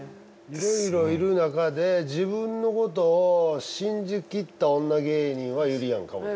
いろいろいる中で自分のことを信じ切った女芸人はゆりやんかも。